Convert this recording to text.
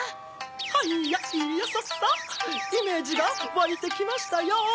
はいやいやさっさ！イメージがわいてきましたよ！